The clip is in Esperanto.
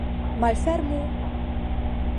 Malfermu!